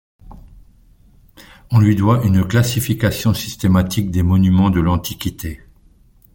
On lui doit une classification systématique des monuments de l'Antiquité.